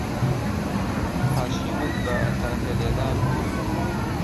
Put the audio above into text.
پاشیوت بە تەنەکەلێدان و